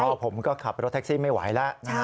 ผมก็ขับรถแท็กซี่ไม่ไหวแล้วนะฮะ